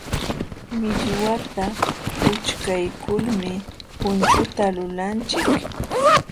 Millwata puchkaykulmi punchuta lulanchik.